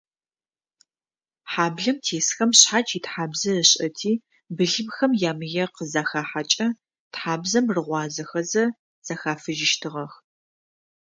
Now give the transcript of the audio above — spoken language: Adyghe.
Хьаблэм тесхэм шъхьадж итхьабзэ ышӏэти, былымхэм ямые къызахахьэкӏэ, тхьабзэм рыгъуазэхэзэ зэхафыжьыщтыгъэх.